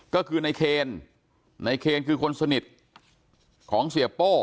ก็คือในเคนในเคนคือคนสนิทของเสียโป้